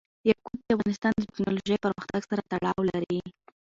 یاقوت د افغانستان د تکنالوژۍ پرمختګ سره تړاو لري.